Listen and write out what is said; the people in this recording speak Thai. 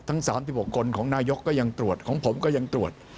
ทั้ง๓๖คนของนายกก็ยังตรวจของผมก็ยังตรวจ